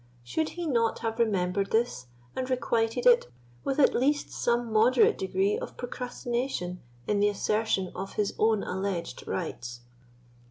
Should he not have remembered this, and requited it with at least some moderate degree of procrastination in the assertion of his own alleged rights?